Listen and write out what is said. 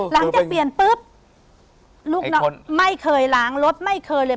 หลังจากเปลี่ยนปุ๊บลูกน้องไม่เคยล้างรถไม่เคยเลย